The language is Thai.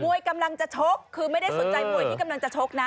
วยกำลังจะชกคือไม่ได้สนใจมวยที่กำลังจะชกนะ